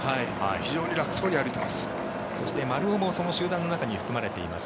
非常に楽そうに歩いています。